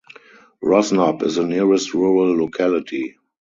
Rosnob is the nearest rural locality.